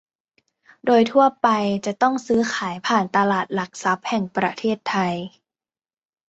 โดยทั่วไปจะต้องซื้อขายผ่านตลาดหลักทรัพย์แห่งประเทศไทย